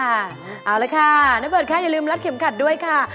เอาละค่ะน้าเบิร์ตค่ะอย่าลืมรัดเข็มขัดด้วยค่ะ